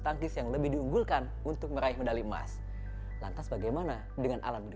tangkis yang lebih diunggulkan untuk meraih medali emas lantas bagaimana dengan alam